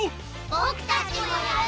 ボクたちもやる！